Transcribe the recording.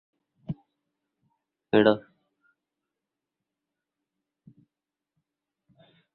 বাসে করে mobile internet সেবা দিচ্ছে ভারতের মোবাইল ফোন সেবাদাতা প্রতিষ্ঠান ভোডাফোন।